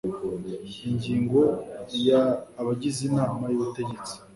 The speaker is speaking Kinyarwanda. Ingingo ya Abagize Inama y Ubutegetsi